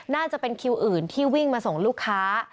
น่าจะเป็นคิวอื่นที่วิ่งมาส่งลูกค้า